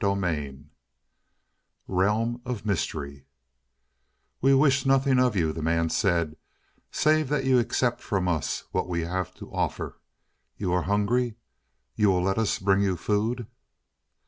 CHAPTER III Realm of Mystery "We wish nothing of you," the man said, "save that you accept from us what we have to offer. You are hungry. You will let us bring you food."